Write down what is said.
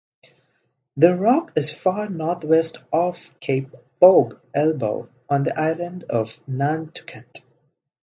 The rock is far northwest off Cape Poge Elbow on the island of Nantucket.